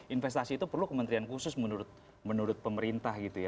investasi itu perlu kementerian khusus menurut pemerintah gitu ya